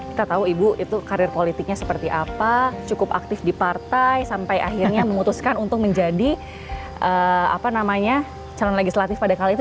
kita tahu ibu itu karir politiknya seperti apa cukup aktif di partai sampai akhirnya memutuskan untuk menjadi calon legislatif pada kali itu